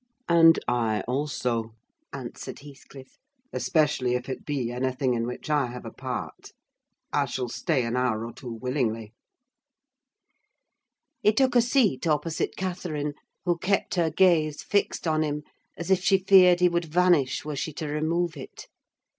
"And I also," answered Heathcliff, "especially if it be anything in which I have a part. I shall stay an hour or two willingly." He took a seat opposite Catherine, who kept her gaze fixed on him as if she feared he would vanish were she to remove it.